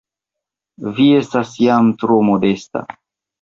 Vi estas jam tro modesta!